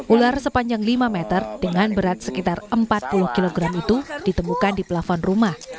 ular sepanjang lima meter dengan berat sekitar empat puluh kg itu ditemukan di pelafon rumah